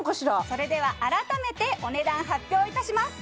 それでは改めてお値段発表いたします